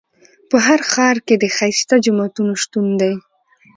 په هر ښار کې د ښایسته جوماتونو شتون دی.